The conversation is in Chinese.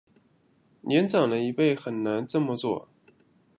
年长的一辈很难这么做